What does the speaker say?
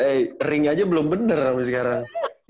eh ring aja belum bener sampai sekarang